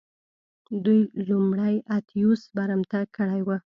دوی لومړی اتیوس برمته کړی و